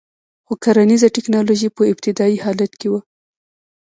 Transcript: خو کرنیزه ټکنالوژي په ابتدايي حالت کې وه